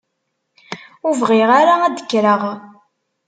Ur bɣiɣ ara ad d-kkreɣ!